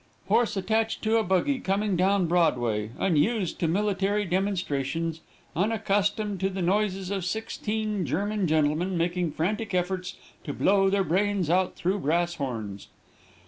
Horse attached to a buggy coming down Broadway, unused to military demonstrations unaccustomed to the noises of sixteen German gentlemen, making frantic efforts to blow their brains out through brass horns.